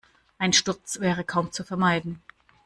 Ein Sturz wäre kaum zu vermeiden.